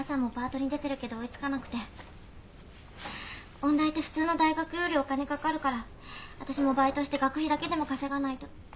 音大って普通の大学よりお金かかるからわたしもバイトして学費だけでも稼がないと。